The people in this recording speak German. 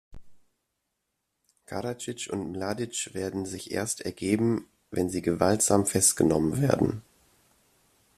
Karadzic und Mladic werden sich erst ergeben, wenn sie gewaltsam festgenommen werden.